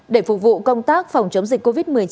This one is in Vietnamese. để phục vụ công tác phòng chống dịch covid một mươi chín